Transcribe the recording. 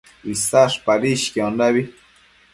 Isash padishquiondabi